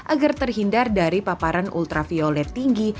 agar terhindar dari paparan ultraviolet tinggi